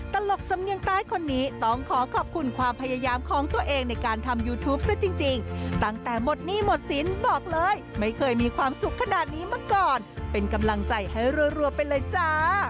ตลกสำเนียงใต้คนนี้ต้องขอขอบคุณความพยายามของตัวเองในการทำยูทูปซะจริงตั้งแต่หมดหนี้หมดสินบอกเลยไม่เคยมีความสุขขนาดนี้มาก่อนเป็นกำลังใจให้รัวไปเลยจ้า